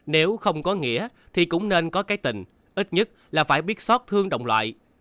nếu không có nghĩa thì cũng nên có cái tình ít nhất là phải biết xót thương động loại